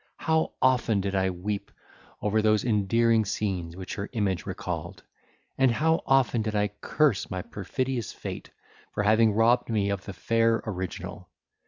how often did I weep over those endearing scenes which her image recalled! and how often did I curse my perfidious fate for having robbed me of the fair original!